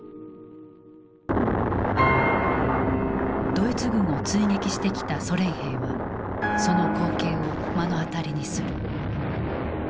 ドイツ軍を追撃してきたソ連兵はその光景を目の当たりにする。